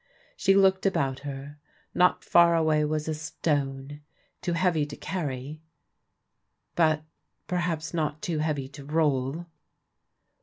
She looked about her. Not far away was a stone, too heavy to carry but perhaps not too heavy to roll